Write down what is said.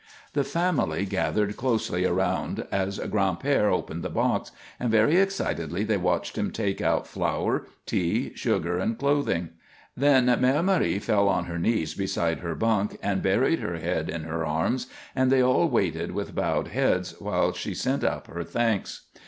The family gathered closely around as Gran'père opened the box, and very excitedly they watched him take out flour, tea, sugar, and clothing. Then Mère Marie fell on her knees beside her bunk and buried her head in her arms, and they all waited with bowed heads while she sent up her thanks.